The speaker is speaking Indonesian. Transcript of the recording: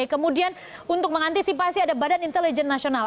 kemudian untuk mengantisipasi ada badan intelijen nasional